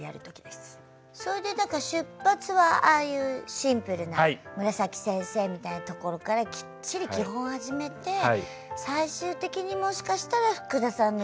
それでだから出発はああいうシンプルなむらさき先生みたいなところからきっちり基本を始めて最終的にもしかしたら福田さんの域に。